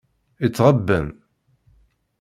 Itɣebben.